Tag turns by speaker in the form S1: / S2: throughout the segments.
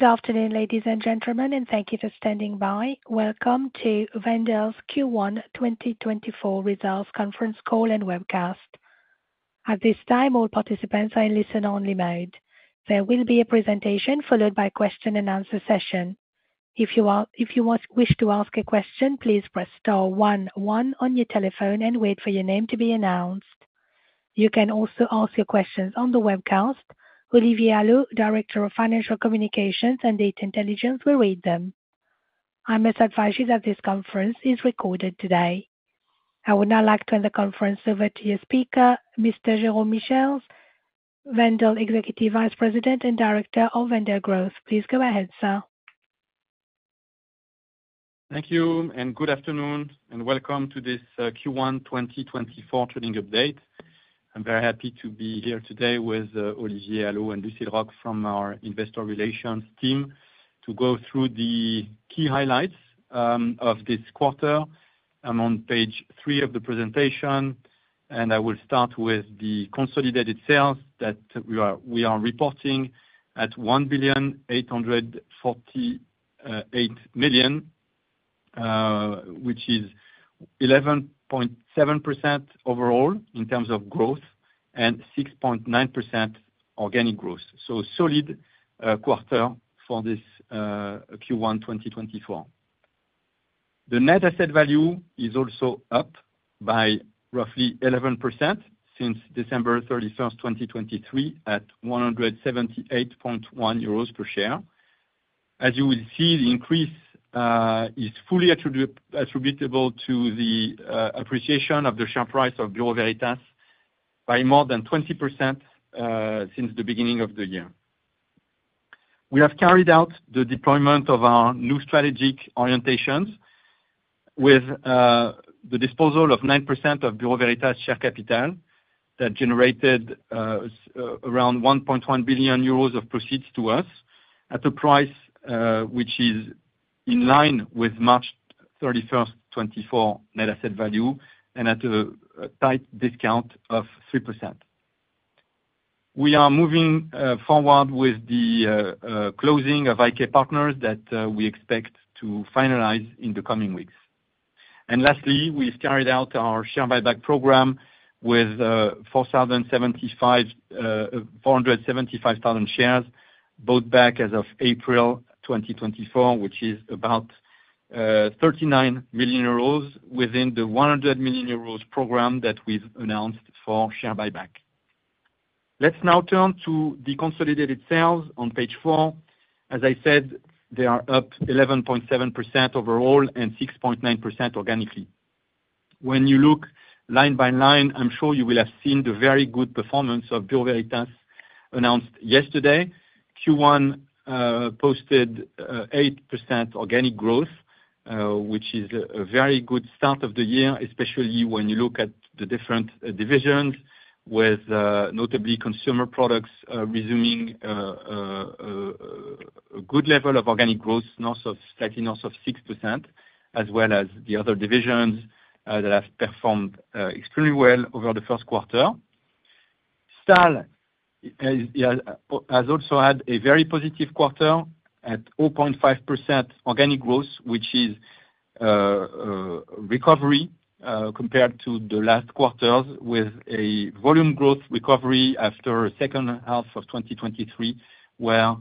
S1: Good afternoon, ladies and gentlemen, and thank you for standing by. Welcome to Wendel's Q1 2024 Results Conference Call and Webcast. At this time, all participants are in listen only mode. There will be a presentation, followed by question and answer session. If you want, wish to ask a question, please press star one one on your telephone and wait for your name to be announced. You can also ask your questions on the webcast. Olivier Allot, Director of Financial Communications and Data Intelligence, will read them. I must advise you that this conference is recorded today. I would now like to turn the conference over to your speaker, Mr. Jérôme Michiels, Wendel Executive Vice President and Director of Wendel Growth. Please go ahead, sir.
S2: Thank you, and good afternoon, and welcome to this Q1 in 2024 trading update. I'm very happy to be here today with Olivier Allot and Lucile Roch from our investor relations team, to go through the key highlights of this quarter. I'm on page 3 of the presentation, and I will start with the consolidated sales that we are reporting at 1,848 million, which is 11.7% overall in terms of growth, and 6.9% organic growth. Solid quarter for this Q1 2024. The net asset value is also up by roughly 11% since December 31, 2023, at 178.1 euros per share. As you will see, the increase is fully attributable to the appreciation of the share price of Bureau Veritas by more than 20%, since the beginning of the year. We have carried out the deployment of our new strategic orientations with the disposal of 9% of Bureau Veritas share capital. That generated around 1.1 billion euros of proceeds to us, at a price which is in line with March thirty-first, 2024 net asset value, and at a tight discount of 3%. We are moving forward with the closing of IK Partners, that we expect to finalize in the coming weeks. Lastly, we started out our share buyback program with 475,000 shares bought back as of April 2024, which is about 39 million euros, within the 100 million euros program that we've announced for share buyback. Let's now turn to the consolidated sales on page 4. As I said, they are up 11.7% overall, and 6.9% organically. When you look line by line, I'm sure you will have seen the very good performance of Bureau Veritas, announced yesterday. Q1 posted 8% organic growth, which is a very good start of the year, especially when you look at the different divisions with notably consumer products resuming a good level of organic growth, slightly north of 6%, as well as the other divisions that have performed extremely well over the first quarter. Stahl, yeah, has also had a very positive quarter at 0.5% organic growth, which is a recovery compared to the last quarters, with a volume growth recovery after second half of 2023, where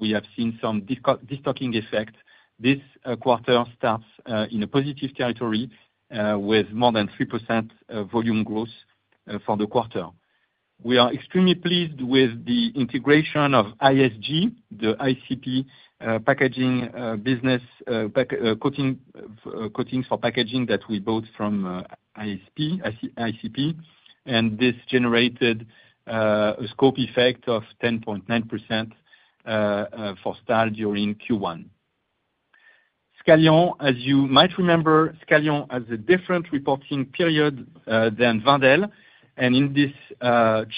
S2: we have seen some destocking effect. This quarter starts in a positive territory with more than 3% volume growth for the quarter. We are extremely pleased with the integration of ISG, the ICP packaging business, packaging coatings for packaging that we bought from ICP, and this generated a scope effect of 10.9% for Stahl during Q1. Scalian, as you might remember, Scalian has a different reporting period than Wendel, and in this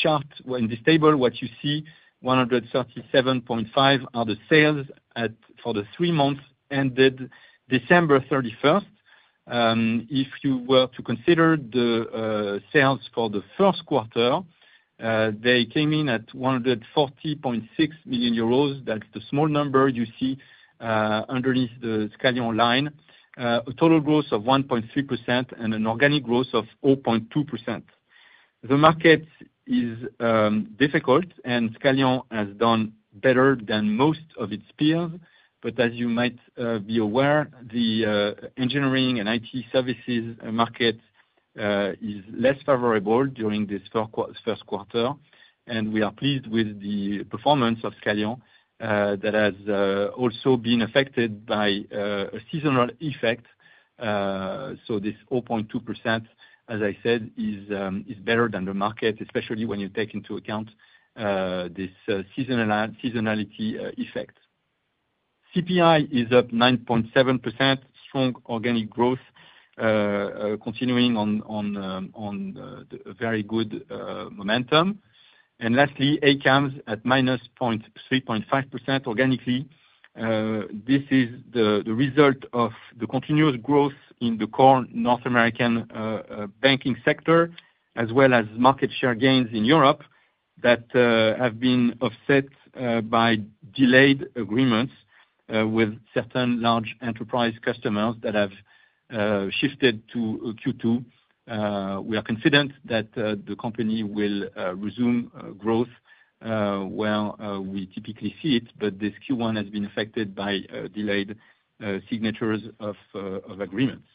S2: chart, well, in this table, what you see, 137.5, are the sales for the three months ended December 31. If you were to consider the sales for the first quarter, they came in at 140.6 million euros. That's the small number you see underneath the Scalian line. A total growth of 1.3% and an organic growth of 0.2%. The market is difficult, and Scalian has done better than most of its peers, but as you might be aware, the engineering and IT services market is less favorable during this first quarter. We are pleased with the performance of Scalian that has also been affected by a seasonal effect. So this 0.2%, as I said, is better than the market, especially when you take into account this seasonality effect. CPI is up 9.7%, strong organic growth continuing on a very good momentum. And lastly, ACAMS at minus 0.35% organically. This is the result of the continuous growth in the core North American banking sector, as well as market share gains in Europe, that have been offset by delayed agreements with certain large enterprise customers that have shifted to Q2. We are confident that the company will resume growth where we typically see it, but this Q1 has been affected by delayed signatures of agreements.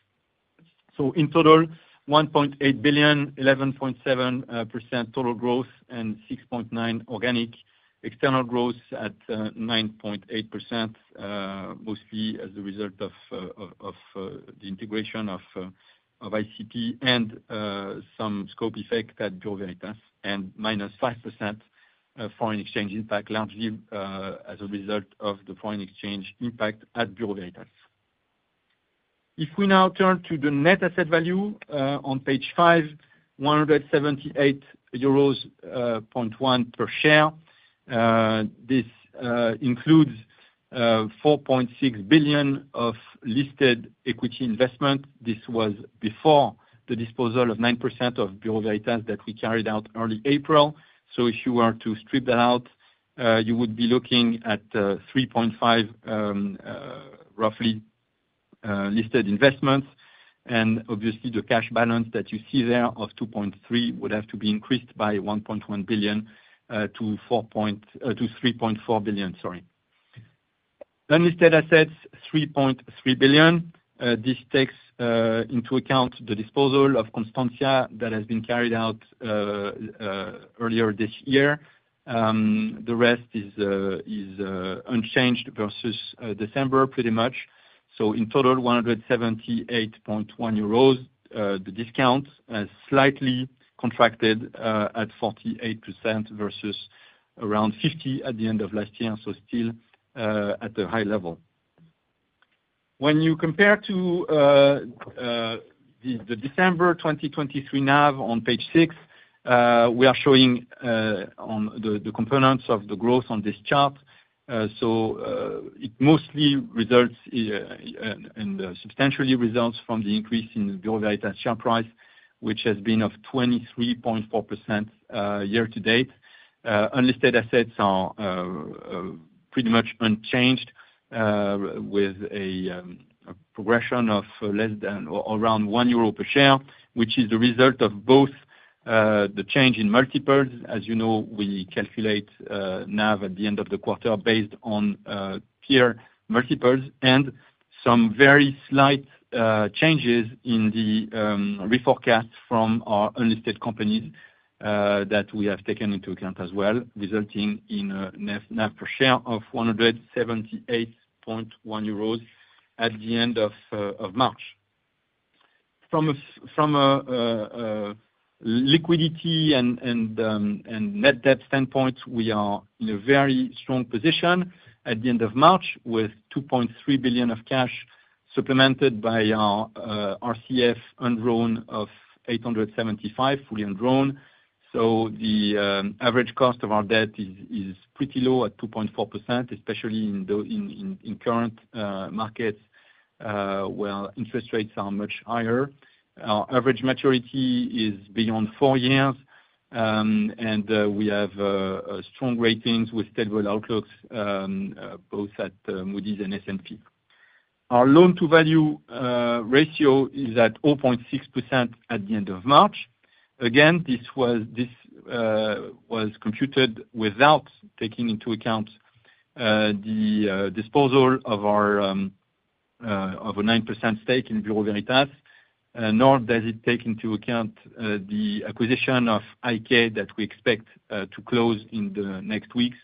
S2: So in total, 1.8 billion, 11.7% total growth, and 6.9 organic. External growth at 9.8%, mostly as a result of the integration of ICP and some scope effect at Bureau Veritas, and -5% foreign exchange impact, largely as a result of the foreign exchange impact at Bureau Veritas. If we now turn to the net asset value, on page 5, 178.1 euros per share. This includes 4.6 billion of listed equity investment. This was before the disposal of 9% of Bureau Veritas that we carried out early April. So if you were to strip that out, you would be looking at 3.5, roughly, listed investments, and obviously the cash balance that you see there of 2.3 billion would have to be increased by 1.1 billion to 3.4 billion, sorry. Then these data assets, 3.3 billion, this takes into account the disposal of Constantia that has been carried out earlier this year. The rest is unchanged versus December, pretty much. So in total, 178.1 euros, the discount has slightly contracted at 48% versus around 50% at the end of last year, so still at the high level. When you compare to the December 2023 NAV on page 6, we are showing on the components of the growth on this chart. So, it mostly results and substantially results from the increase in Bureau Veritas share price, which has been 23.4% year-to-date. Unlisted assets are pretty much unchanged with a progression of less than or around 1 euro per share, which is the result of both the change in multiples. As you know, we calculate NAV at the end of the quarter based on peer multiples, and some very slight changes in the reforecast from our unlisted companies that we have taken into account as well, resulting in a net NAV per share of 178.1 euros at the end of March. From a from a liquidity and and net debt standpoint, we are in a very strong position at the end of March, with 2.3 billion of cash, supplemented by our RCF undrawn of 875 million, fully undrawn. So the average cost of our debt is pretty low at 2.4%, especially in current markets where interest rates are much higher. Our average maturity is beyond four years, and we have strong ratings with stable outlooks both at Moody's and S&P. Our loan-to-value ratio is at 0.6% at the end of March. Again, this was computed without taking into account the disposal of our of a 9% stake in Bureau Veritas, nor does it take into account the acquisition of IK that we expect to close in the next weeks.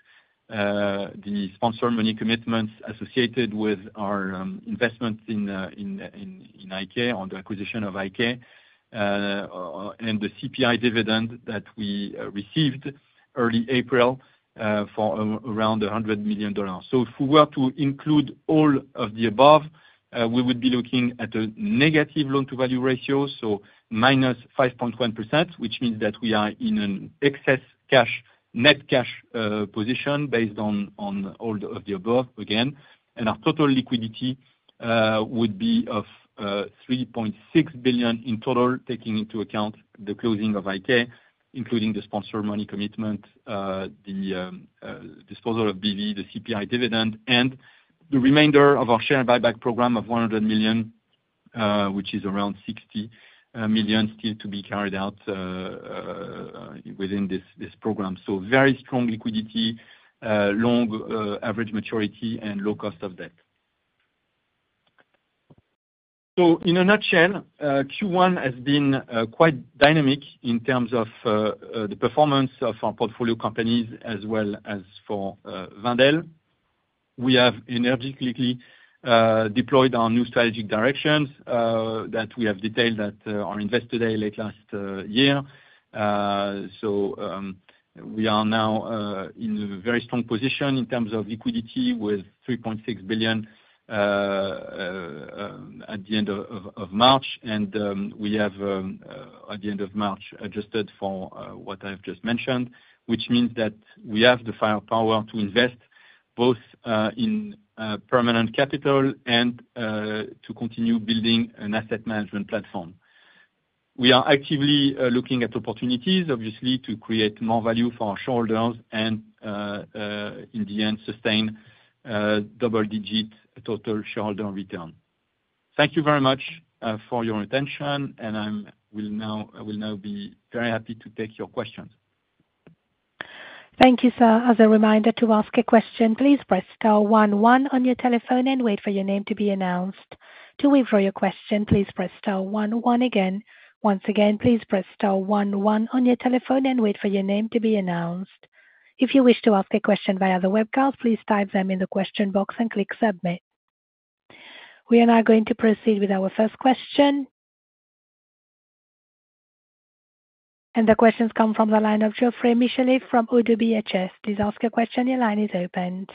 S2: The sponsor money commitments associated with our investments in IK on the acquisition of IK, and the CPI dividend that we received early April for around $100 million. So if we were to include all of the above, we would be looking at a negative loan-to-value ratio, so minus 5.1%, which means that we are in an excess cash, net cash, position, based on all of the above, again. And our total liquidity would be of 3.6 billion in total, taking into account the closing of IK, including the sponsor money commitment, the disposal of BV, the CPI dividend, and the remainder of our share buyback program of 100 million, which is around 60 million, still to be carried out within this program. So very strong liquidity, long average maturity, and low cost of debt. So in a nutshell, Q1 has been quite dynamic in terms of the performance of our portfolio companies, as well as for Wendel. We have energetically deployed our new strategic directions that we have detailed at our Investor Day late last year. So, we are now in a very strong position in terms of liquidity with 3.6 billion at the end of March. And we have at the end of March, adjusted for what I've just mentioned, which means that we have the firepower to invest both in permanent capital and to continue building an asset management platform. We are actively looking at opportunities, obviously, to create more value for our shareholders and, in the end, sustain double-digit total shareholder return. Thank you very much for your attention, and I will now be very happy to take your questions.
S1: Thank you, sir. As a reminder, to ask a question, please press star one one on your telephone and wait for your name to be announced. To withdraw your question, please press star one one again. Once again, please press star one one on your telephone and wait for your name to be announced. If you wish to ask a question via the webcast, please type them in the question box and click submit. We are now going to proceed with our first question. The questions come from the line of Geoffroy Michalet from ODDO BHF. Please ask a question. Your line is opened.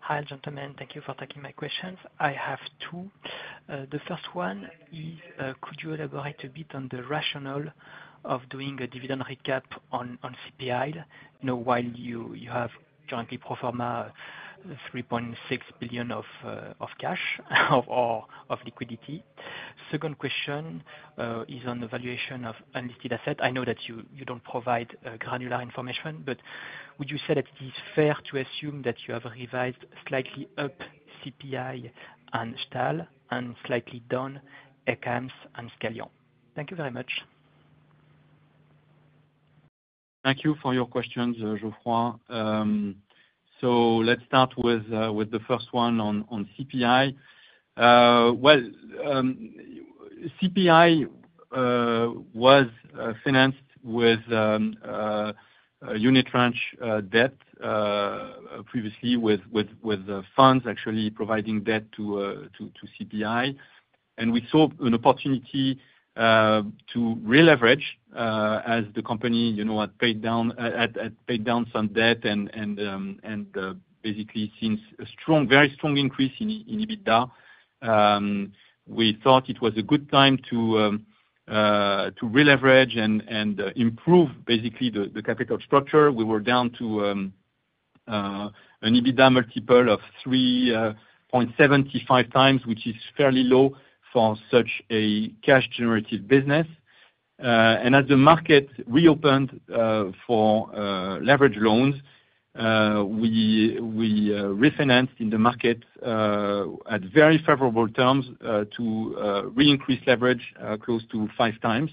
S3: Hi, gentlemen. Thank you for taking my questions. I have two. The first one is, could you elaborate a bit on the rationale of doing a dividend recap on, on CPI, you know, while you, you have currently pro forma 3.6 billion of cash, or of liquidity? Second question is on the valuation of unlisted asset. I know that you, you don't provide granular information, but would you say that it's fair to assume that you have revised slightly up CPI and Stahl, and slightly down ACAMS and Scalian? Thank you very much.
S2: Thank you for your questions, Geoffroy. So let's start with the first one on CPI. Well, CPI was financed with a unitranche debt previously with funds actually providing debt to CPI. And we saw an opportunity to releverage as the company, you know, had paid down some debt and basically seen a strong, very strong increase in EBITDA. We thought it was a good time to releverage and improve basically the capital structure. We were down to an EBITDA multiple of 3.75x, which is fairly low for such a cash generative business. As the market reopened for leverage loans, we refinanced in the market at very favorable terms to re-increase leverage close to 5x.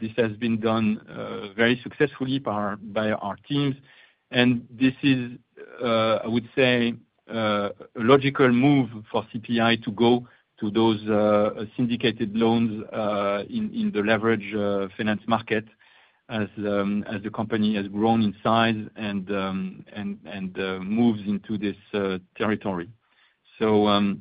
S2: This has been done very successfully by our teams. This is, I would say, a logical move for CPI to go to those syndicated loans in the leverage finance market, as the company has grown in size and moves into this territory. So,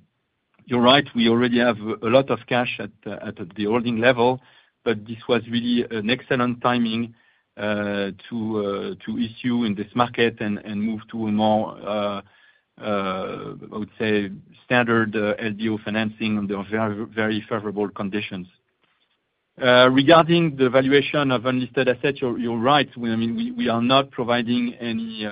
S2: you're right, we already have a lot of cash at the holding level, but this was really an excellent timing to issue in this market and move to a more standard LBO financing under very favorable conditions. Regarding the valuation of unlisted asset, you're right. I mean, we are not providing any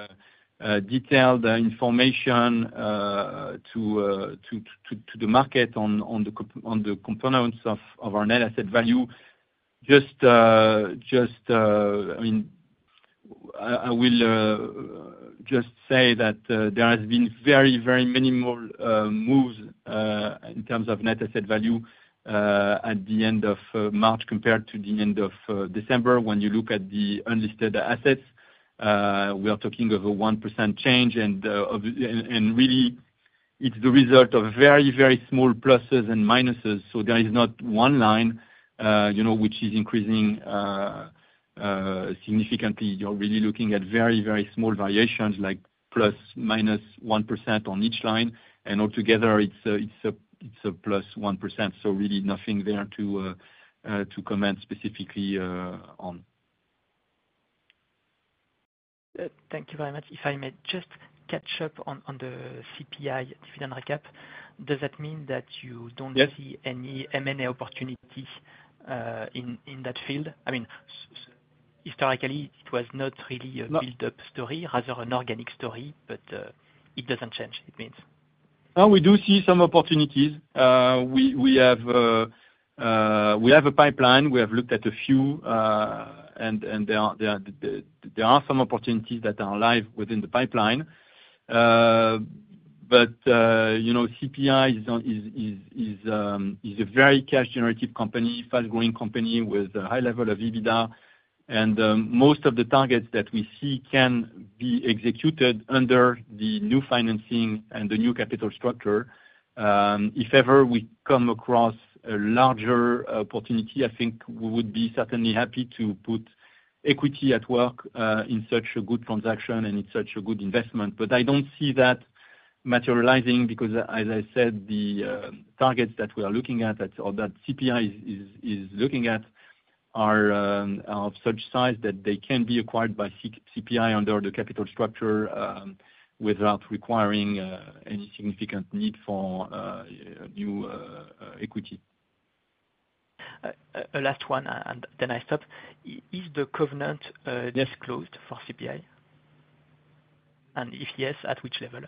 S2: detailed information to the market on the components of our net asset value. Just, I mean, I will just say that, there has been very, very minimal moves in terms of net asset value at the end of March, compared to the end of December. When you look at the unlisted assets, we are talking of a 1% change, and really it's the result of very, very small pluses and minuses. So there is not one line, you know, which is increasing significantly. You're really looking at very, very small variations, like ±1% on each line, and altogether it's a +1%, so really nothing there to comment specifically on.
S3: Thank you very much. If I may just catch up on the CPI dividend recap, does that mean that you don't-
S2: Yes
S3: ...see any M&A opportunities in that field? I mean, historically, it was not really a-
S2: No...
S3: build-up story, rather an organic story, but, it doesn't change, it means?
S2: No, we do see some opportunities. We have a pipeline, we have looked at a few, and there are some opportunities that are live within the pipeline. But you know, CPI is not, is a very cash generative company, fast-growing company with a high level of EBITDA. And most of the targets that we see can be executed under the new financing and the new capital structure. If ever we come across a larger opportunity, I think we would be certainly happy to put equity at work in such a good transaction and in such a good investment. But I don't see that materializing, because as I said, the targets that we are looking at or that CPI is looking at are of such size that they can be acquired by CPI under the capital structure without requiring any significant need for new equity.
S3: A last one, and then I stop. Is the covenant,
S2: Yes...
S3: disclosed for CPI?... And if yes, at which level?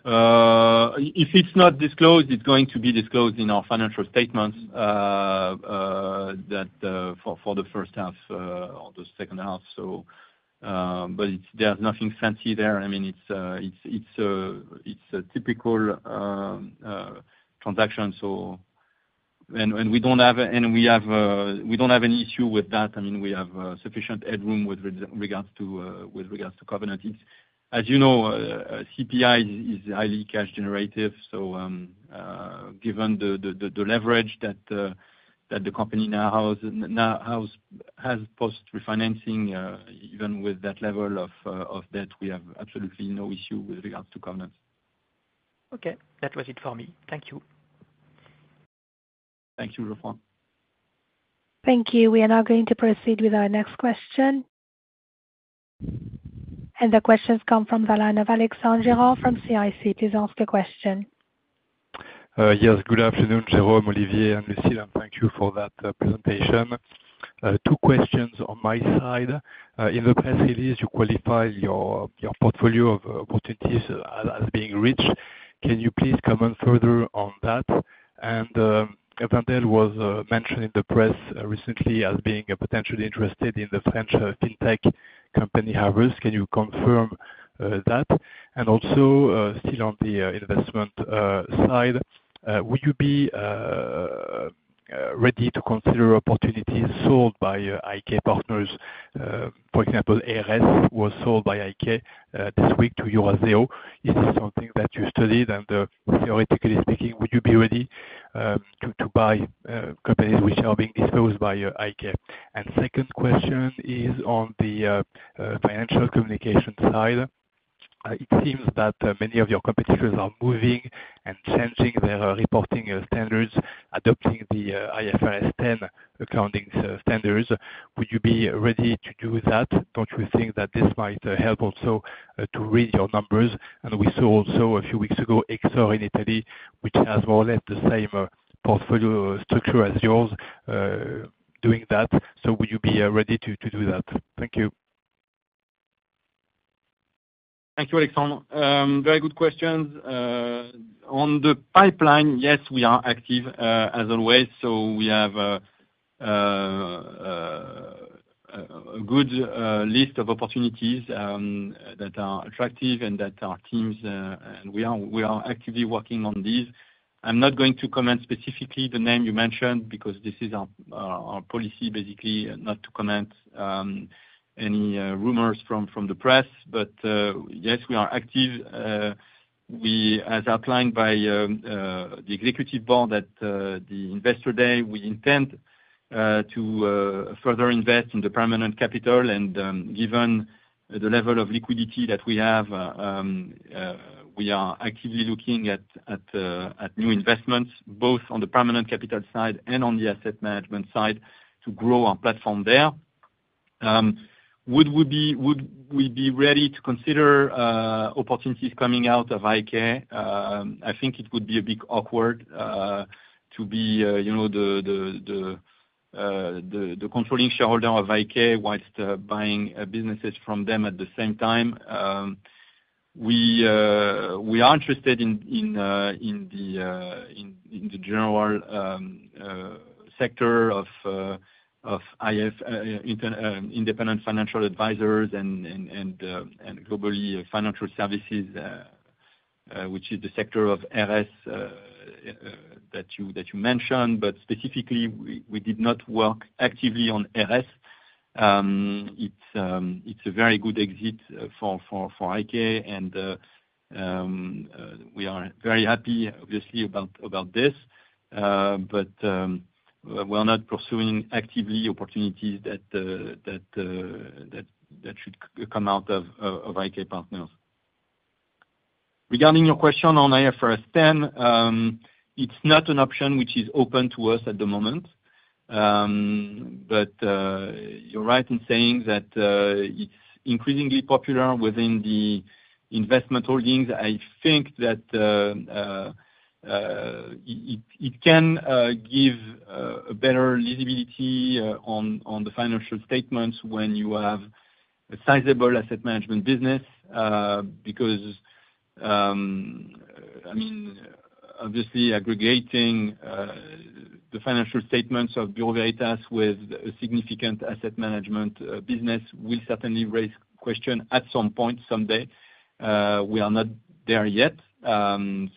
S2: If it's not disclosed, it's going to be disclosed in our financial statements that for the first half or the second half. So, but it's, there's nothing fancy there. I mean, it's a typical transaction, so... And we don't have an issue with that. I mean, we have sufficient headroom with regards to covenant. As you know, CPI is highly cash generative, so, given the leverage that the company now has post-refinancing, even with that level of debt, we have absolutely no issue with regards to covenants.
S3: Okay, that was it for me. Thank you.
S2: Thank you, Geoffroy.
S1: Thank you. We are now going to proceed with our next question. The question's come from the line of Alexandre Gérard from CIC. Please ask the question.
S4: Yes. Good afternoon, Jérôme, Olivier, and Lucile, and thank you for that presentation. Two questions on my side. In the press release, you qualify your portfolio of opportunities as being rich. Can you please comment further on that? And, Wendel was mentioned in the press recently as being potentially interested in the French fintech company, Harvest. Can you confirm that? And also, still on the investment side, would you be ready to consider opportunities sold by IK Partners? For example, Eres was sold by IK this week to Eurazeo. Is this something that you studied? And, theoretically speaking, would you be ready to buy companies which are being disposed by IK? And second question is on the financial communication side. It seems that many of your competitors are moving and changing their reporting standards, adopting the IFRS 10 accounting standards. Would you be ready to do that? Don't you think that this might help also to read your numbers? And we saw also a few weeks ago, Exor in Italy, which has more or less the same portfolio structure as yours doing that. So would you be ready to do that? Thank you.
S2: Thank you, Alexandre. Very good questions. On the pipeline, yes, we are active, as always. So we have a good list of opportunities that are attractive and that our teams and we are actively working on these. I'm not going to comment specifically the name you mentioned, because this is our policy, basically, not to comment any rumors from the press. But yes, we are active. We, as outlined by the executive board at the Investor Day, we intend to further invest in the permanent capital. And, given the level of liquidity that we have, we are actively looking at new investments, both on the permanent capital side and on the asset management side, to grow our platform there. Would we be ready to consider opportunities coming out of IK? I think it would be a bit awkward to be, you know, the controlling shareholder of IK whilst buying businesses from them at the same time. We are interested in the general sector of independent financial advisors and globally, financial services, which is the sector of Eres that you mentioned, but specifically, we did not work actively on Eres. It's a very good exit for IK, and we are very happy, obviously, about this. But, we're not pursuing actively opportunities that should come out of IK Partners. Regarding your question on IFRS 10, it's not an option which is open to us at the moment. But, you're right in saying that it's increasingly popular within the investment holdings. I think that it can give a better visibility on the financial statements when you have a sizable asset management business. Because, I mean, obviously aggregating the financial statements of Bureau Veritas with a significant asset management business will certainly raise question at some point, someday. We are not there yet,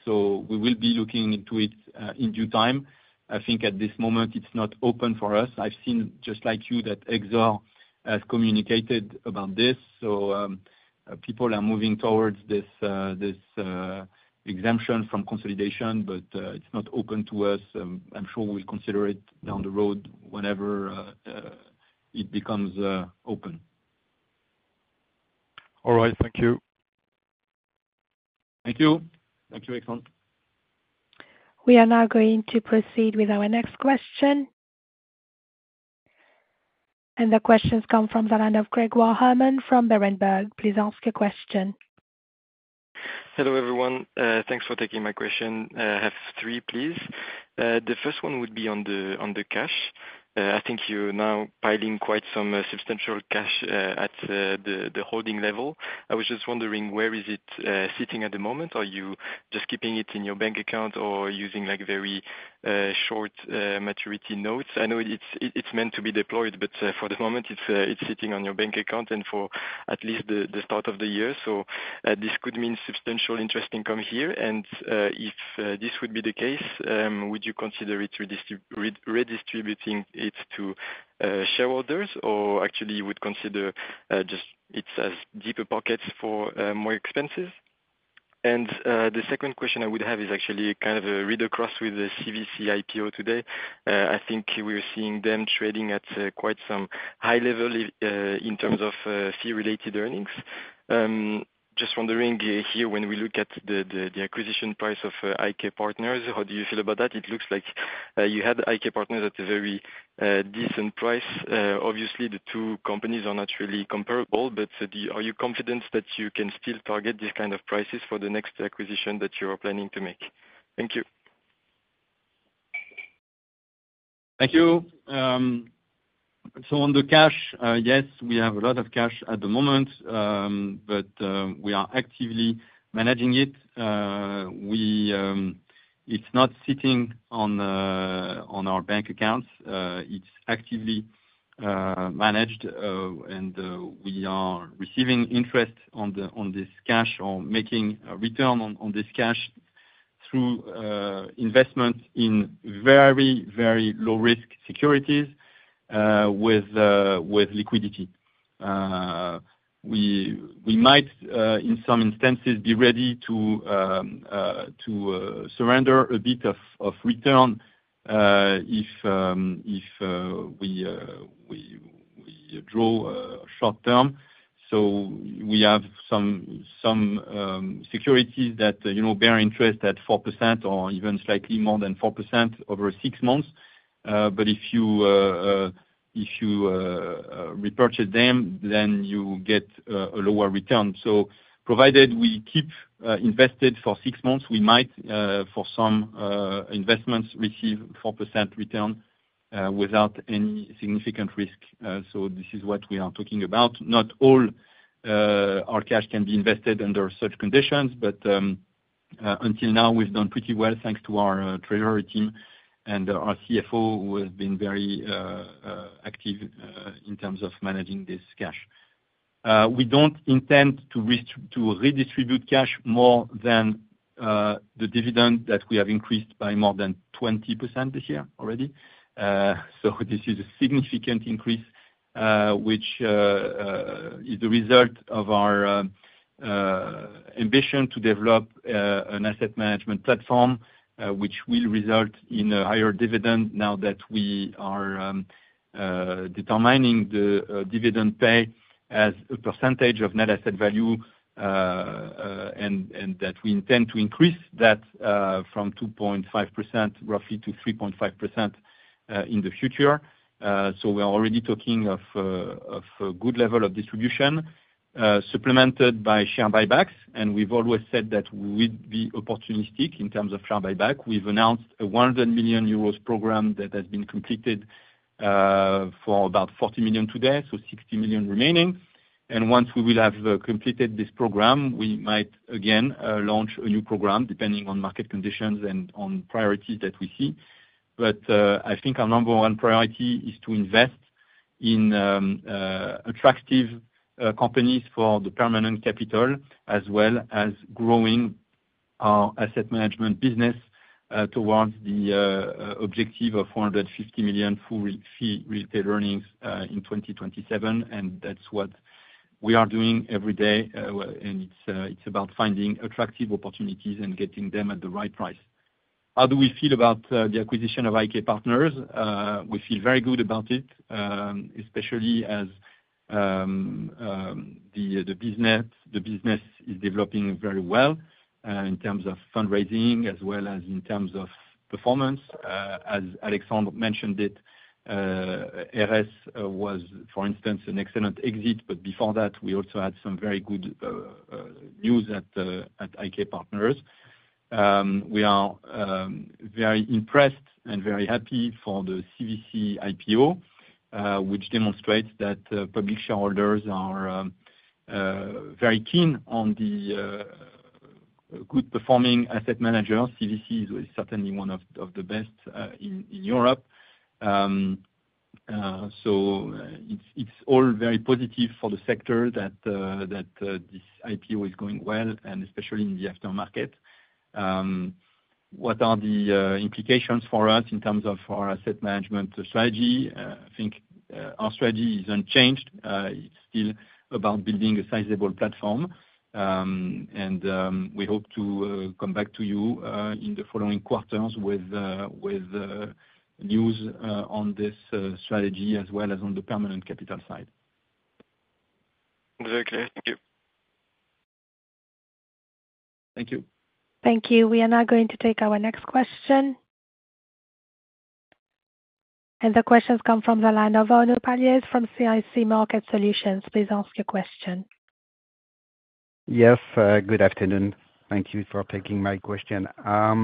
S2: so we will be looking into it in due time. I think at this moment, it's not open for us. I've seen, just like you, that Exor has communicated about this, so, people are moving towards this exemption from consolidation, but, it's not open to us. I'm sure we'll consider it down the road whenever it becomes open.
S4: All right. Thank you.
S2: Thank you. Thank you, Alexandre.
S1: We are now going to proceed with our next question. The question's come from the line of Grégoire Hermann from Berenberg. Please ask your question.
S5: Hello, everyone. Thanks for taking my question. I have three, please. The first one would be on the cash. I think you're now piling quite some substantial cash at the holding level. I was just wondering, where is it sitting at the moment? Are you just keeping it in your bank account or using, like, very short maturity notes? I know it's meant to be deployed, but for the moment, it's sitting on your bank account and for at least the start of the year. So, this could mean substantial interest income here, and if this would be the case, would you consider redistributing it to shareholders? Or actually would consider just it's as deeper pockets for more expenses? The second question I would have is actually kind of a read across with the CVC IPO today. I think we're seeing them trading at quite some high level in terms of fee-related earnings. Just wondering here, when we look at the acquisition price of IK Partners, how do you feel about that? It looks like you had IK Partners at a very decent price. Obviously, the two companies are not really comparable, but the... Are you confident that you can still target these kind of prices for the next acquisition that you are planning to make? Thank you.
S2: Thank you. So on the cash, yes, we have a lot of cash at the moment, but we are actively managing it. It's not sitting on our bank accounts. It's actively managed, and we are receiving interest on this cash or making a return on this cash through investment in very, very low-risk securities, with liquidity. We might, in some instances, be ready to surrender a bit of return, if we draw short-term. So we have some securities that, you know, bear interest at 4%, or even slightly more than 4% over six months. But if you repurchase them, then you get a lower return. So provided we keep invested for six months, we might for some investments receive 4% return without any significant risk. So this is what we are talking about. Not all our cash can be invested under such conditions, but until now, we've done pretty well, thanks to our treasury team and our CFO, who has been very active in terms of managing this cash. We don't intend to redistribute cash more than the dividend that we have increased by more than 20% this year already. So this is a significant increase, which is the result of our ambition to develop an asset management platform, which will result in a higher dividend now that we are determining the dividend pay as a percentage of net asset value, and that we intend to increase that from roughly 2.5%-3.5% in the future. So we are already talking of a good level of distribution, supplemented by share buybacks, and we've always said that we'd be opportunistic in terms of share buyback. We've announced a 100 million euros program that has been completed for about 40 million to date, so 60 million remaining. Once we will have completed this program, we might again launch a new program, depending on market conditions and on priorities that we see. But I think our number one priority is to invest in attractive companies for the permanent capital, as well as growing our asset management business towards the objective of 450 million fee-related earnings in 2027, and that's what we are doing every day. And it's about finding attractive opportunities and getting them at the right price. How do we feel about the acquisition of IK Partners? We feel very good about it, especially as the business is developing very well in terms of fundraising as well as in terms of performance. As Alexandre mentioned it, Eres was, for instance, an excellent exit, but before that, we also had some very good news at IK Partners. We are very impressed and very happy for the CVC IPO, which demonstrates that public shareholders are very keen on the good-performing asset manager. CVC is certainly one of the best in Europe. So, it's all very positive for the sector that this IPO is going well, and especially in the aftermarket. What are the implications for us in terms of our asset management strategy? I think our strategy is unchanged.It's still about building a sizable platform, and we hope to come back to you in the following quarters with news on this strategy, as well as on the permanent capital side.
S5: Very clear. Thank you.
S2: Thank you.
S1: Thank you. We are now going to take our next question. The question's come from the line of Arnaud Palliez from CIC Market Solutions. Please ask your question.
S6: Yes, good afternoon. Thank you for taking my question. I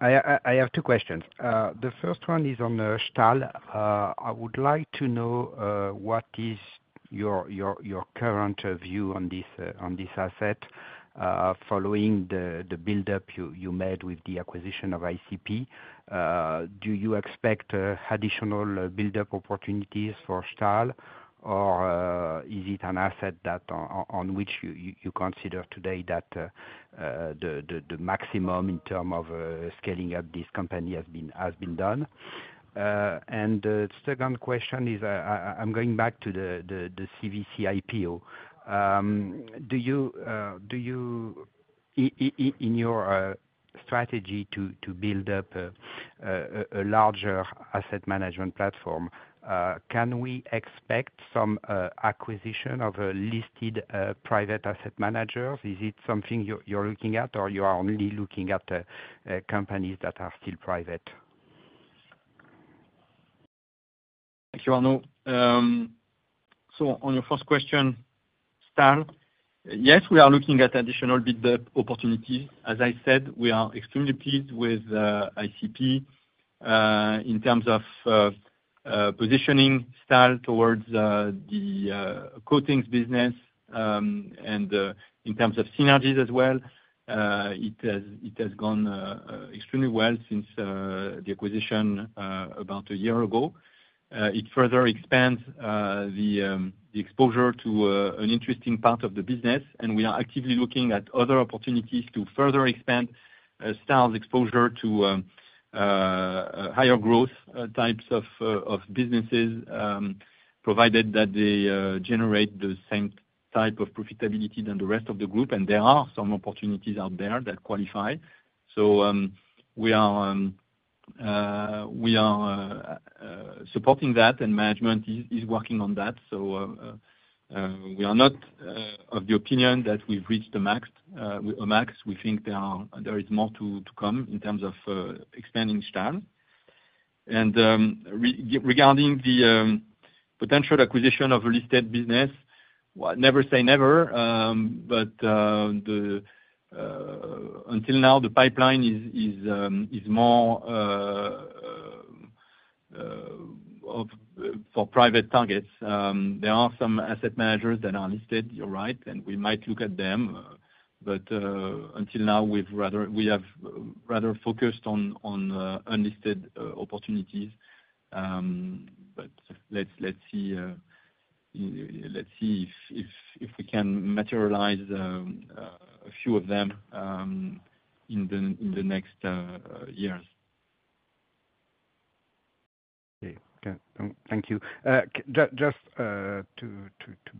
S6: have two questions. The first one is on Stahl. I would like to know what is your current view on this asset following the buildup you made with the acquisition of ICP. Do you expect additional buildup opportunities for Stahl? Or is it an asset that on which you consider today that the maximum in term of scaling up this company has been done? And the second question is, I'm going back to the CVC IPO. Do you, in your strategy to build up a larger asset management platform, can we expect some acquisition of a listed private asset managers? Is it something you're looking at, or you are only looking at companies that are still private?
S2: Thank you, Arnaud. So on your first question, Stahl, yes, we are looking at additional build-up opportunities. As I said, we are extremely pleased with ICP in terms of positioning Stahl towards the coatings business. And in terms of synergies as well, it has gone extremely well since the acquisition about a year ago. It further expands the exposure to an interesting part of the business, and we are actively looking at other opportunities to further expand Stahl's exposure to higher growth types of businesses, provided that they generate the same type of profitability than the rest of the group, and there are some opportunities out there that qualify. So, we are supporting that, and management is working on that. So, we are not of the opinion that we've reached the max, a max. We think there is more to come in terms of expanding Stahl. And, regarding the potential acquisition of a listed business, well, never say never, but until now, the pipeline is more for private targets. There are some asset managers that are unlisted, you're right, and we might look at them. But until now, we have rather focused on unlisted opportunities. But let's see if we can materialize a few of them in the next years.
S6: Okay. Thank you. Just to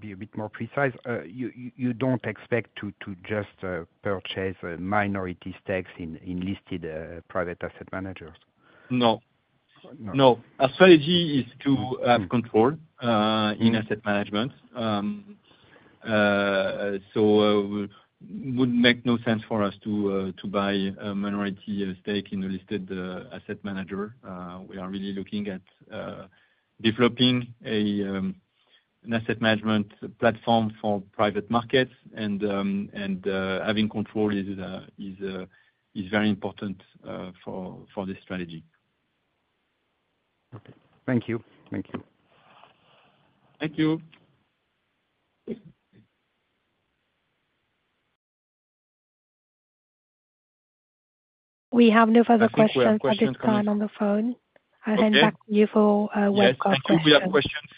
S6: be a bit more precise, you don't expect to just purchase minority stakes in listed private asset managers?
S2: No.
S6: No.
S2: No. Our strategy is to have control in asset management. Would make no sense for us to buy a minority stake in a listed asset manager. We are really looking at developing an asset management platform for private markets, and having control is very important for this strategy.
S6: Okay. Thank you. Thank you.
S2: Thank you!
S1: We have no further questions.
S2: I think we have questions coming-...
S1: at this time on the phone.
S2: Okay.
S1: I'll hand back to you for web questions.
S2: Yes, I think we have questions.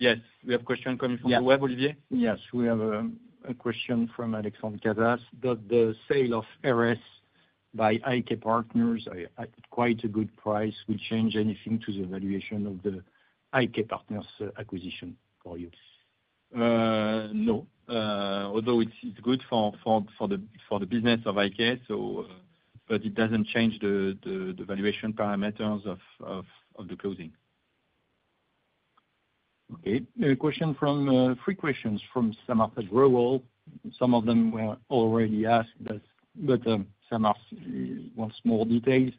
S2: Yes, we have a question coming from the web, Olivier?
S7: Yes, we have a question from Alexandre Cadas. Does the sale of Eres by IK Partners at quite a good price will change anything to the valuation of the IK Partners acquisition for you?
S2: No. Although it's good for the business of IK, so... But it doesn't change the valuation parameters of the closing.
S7: Okay. A question from three questions from Samarth Agrawal. Some of them were already asked, but Samarth wants more details.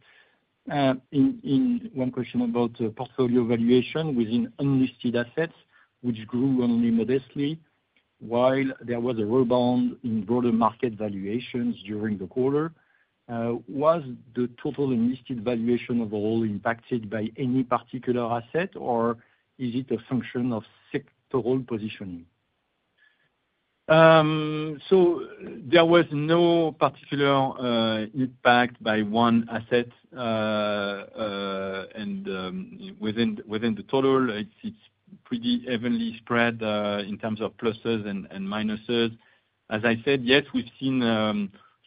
S7: In one question about portfolio valuation within unlisted assets, which grew only modestly, while there was a rebound in broader market valuations during the quarter, was the total unlisted valuation overall impacted by any particular asset, or is it a function of sectoral positioning?
S2: So there was no particular impact by one asset. And within the total, it's pretty evenly spread in terms of pluses and minuses. As I said, yes, we've seen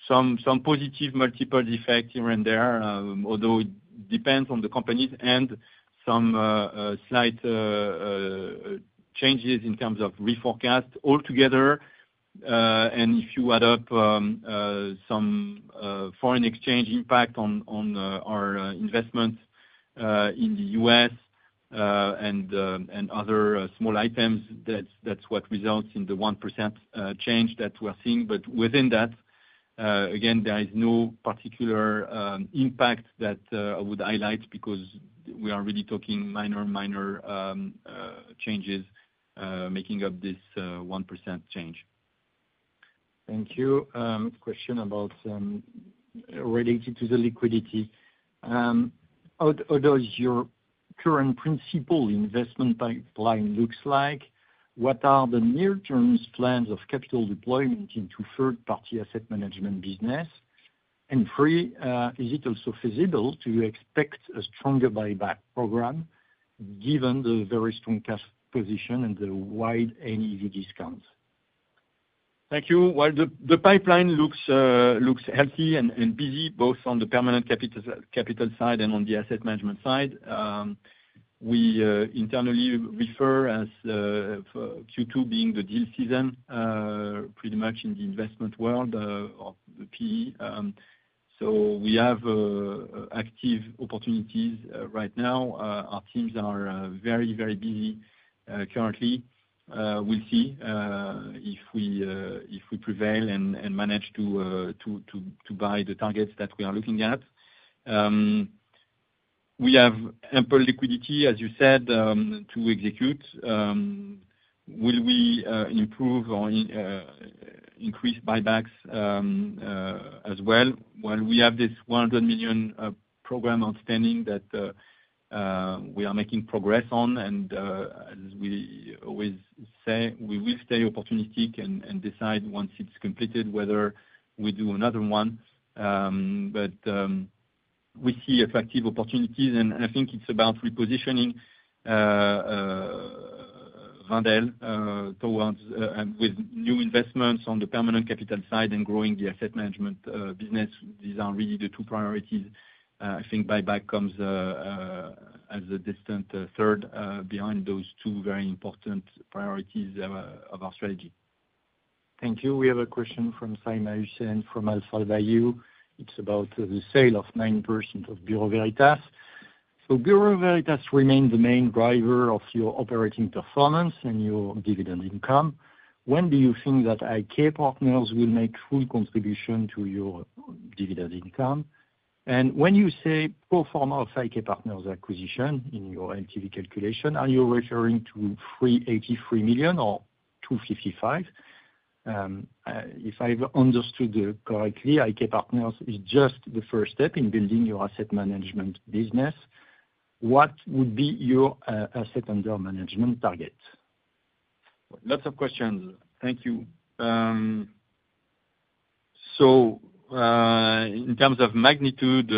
S2: some positive multiple effect here and there, although it depends on the companies, and some slight changes in terms of reforecast altogether. And if you add up some foreign exchange impact on our investment in the U.S. and other small items, that's what results in the 1% change that we're seeing. But within that, again, there is no particular impact that I would highlight, because we are really talking minor changes making up this 1% change.
S7: Thank you. Question about related to the liquidity. How does your current principal investment pipeline looks like? What are the near terms plans of capital deployment into third party asset management business? And three, is it also feasible to expect a stronger buyback program, given the very strong cash position and the wide NAV discounts?
S2: Thank you. Well, the pipeline looks healthy and busy, both on the permanent capital side and on the asset management side. We internally refer to Q2 as being the deal season, pretty much in the investment world of the PE. So we have active opportunities right now. Our teams are very busy currently. We'll see if we prevail and manage to buy the targets that we are looking at. We have ample liquidity, as you said, to execute. Will we improve or increase buybacks as well? Well, we have this 100 million program outstanding that we are making progress on, and as we always say, we will stay opportunistic and decide once it's completed, whether we do another one. But we see effective opportunities, and I think it's about repositioning Wendel towards with new investments on the permanent capital side and growing the asset management business. These are really the two priorities. I think buyback comes as a distant third behind those two very important priorities of our strategy.
S7: Thank you. We have a question from Simona Sarli from AlphaValue. It's about the sale of 9% of Bureau Veritas. So Bureau Veritas remains the main driver of your operating performance and your dividend income. When do you think that IK Partners will make full contribution to your dividend income? And when you say pro forma of IK Partners acquisition in your NAV calculation, are you referring to 383 million or 255 million? If I've understood correctly, IK Partners is just the first step in building your asset management business, what would be your asset under management target?
S2: Lots of questions. Thank you. So, in terms of magnitude,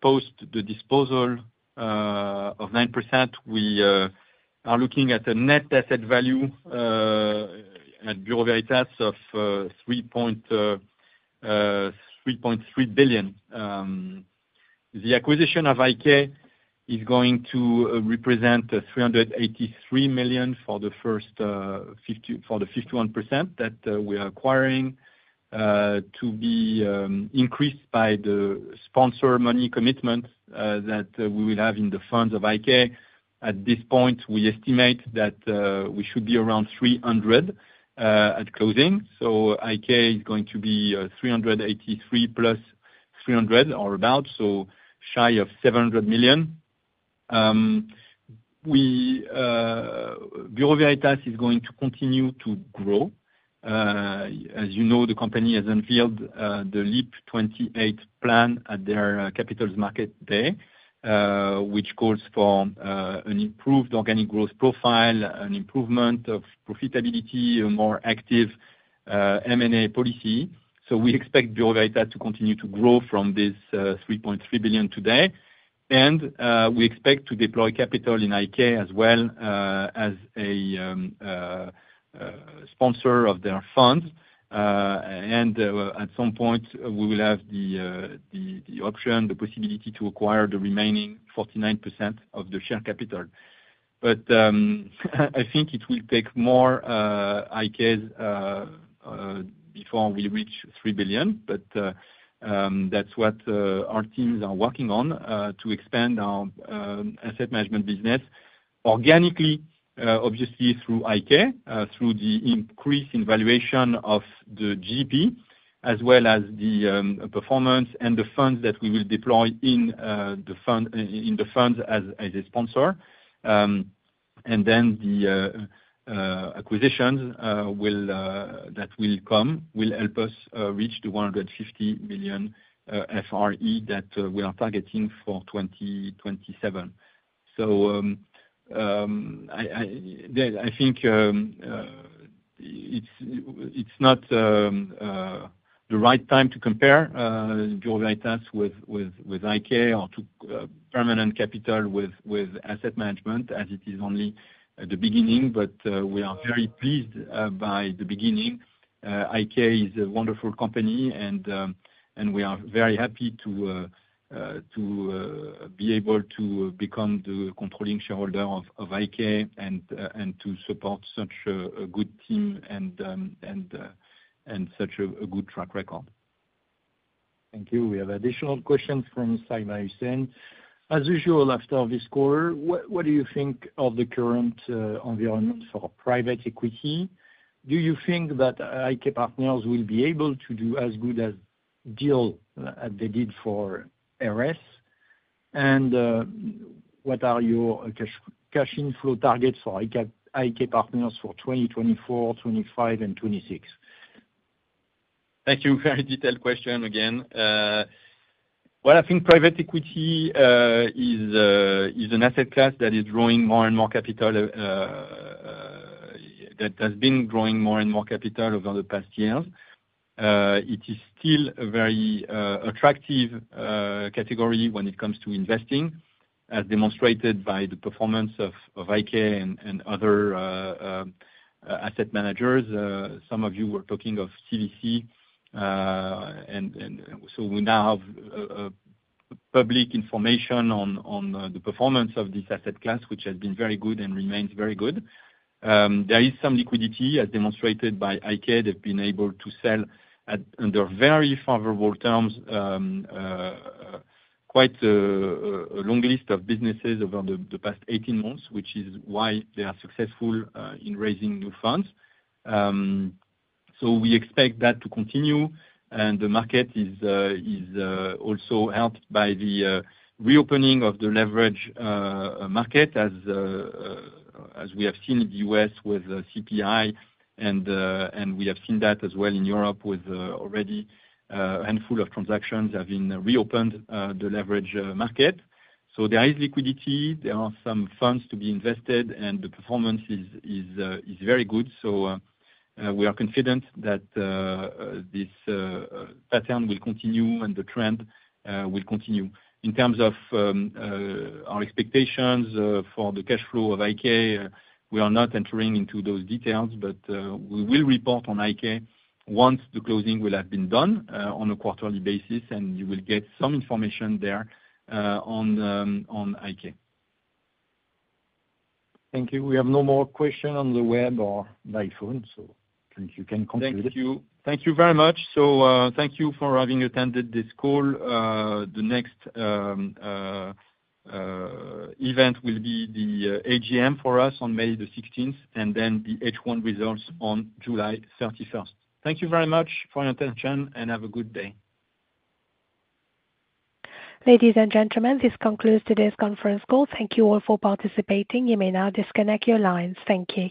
S2: post the disposal of 9%, we are looking at a net asset value at Bureau Veritas of 3.3 billion. The acquisition of IK is going to represent 383 million for the 51% that we are acquiring, to be increased by the sponsor money commitment that we will have in the funds of IK. At this point, we estimate that we should be around 300 million at closing. So IK is going to be 383 plus 300 or about, so shy of 700 million. We, Bureau Veritas is going to continue to grow. As you know, the company has unveiled the LEAP 28 plan at their capital markets day, which calls for an improved organic growth profile, an improvement of profitability, a more active M&A policy. So we expect Bureau Veritas to continue to grow from this 3.3 billion today. And we expect to deploy capital in IK as well, as a sponsor of their fund. And at some point, we will have the option, the possibility to acquire the remaining 49% of the share capital. But I think it will take more IK before we reach 3 billion, but that's what our teams are working on to expand our asset management business organically, obviously through IK, through the increase in valuation of the GP, as well as the performance and the funds that we will deploy in the fund, in the funds as a sponsor. And then the acquisitions will help us reach the 150 million FRE that we are targeting for 2027. I think it's not the right time to compare Bureau Veritas with IK or permanent capital with asset management, as it is only at the beginning, but we are very pleased by the beginning. IK is a wonderful company, and we are very happy to be able to become the controlling shareholder of IK, and to support such a good team and such a good track record.
S7: Thank you. We have additional questions from Simona Sarli. As usual, after this quarter, what do you think of the current environment for private equity? Do you think that IK Partners will be able to do as good a deal as they did for Eres? And what are your cash inflow targets for IK Partners for 2024, 2025 and 2026?
S2: Thank you. Very detailed question again. Well, I think private equity is an asset class that is growing more and more capital, that has been growing more and more capital over the past years. It is still a very attractive category when it comes to investing, as demonstrated by the performance of IK and other asset managers. Some of you were talking of CVC, and so we now have public information on the performance of this asset class, which has been very good and remains very good. There is some liquidity, as demonstrated by IK. They've been able to sell at, under very favorable terms, a long list of businesses over the past 18 months, which is why they are successful in raising new funds. So we expect that to continue, and the market is also helped by the reopening of the leverage market as we have seen in the US with CPI, and we have seen that as well in Europe with already a handful of transactions have been reopened the leverage market. So there is liquidity, there are some funds to be invested, and the performance is very good. So we are confident that this pattern will continue and the trend will continue. In terms of our expectations for the cash flow of IK, we are not entering into those details. But we will report on IK once the closing will have been done, on a quarterly basis, and you will get some information there, on IK.
S7: Thank you. We have no more question on the web or by phone, so I think you can conclude.
S2: Thank you. Thank you very much. So, thank you for having attended this call. The next event will be the AGM for us on May 16, and then the H1 results on July 31. Thank you very much for your attention, and have a good day.
S1: Ladies and gentlemen, this concludes today's conference call. Thank you all for participating. You may now disconnect your lines. Thank you.